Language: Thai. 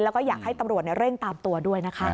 แล้วก็อยากให้ตำรวจเร่งตามตัวด้วยนะคะ